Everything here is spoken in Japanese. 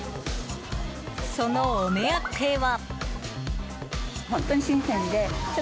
そのお目当ては。